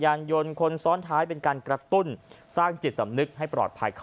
ยานยนต์คนซ้อนท้ายเป็นการกระตุ้นสร้างจิตสำนึกให้ปลอดภัยเข้า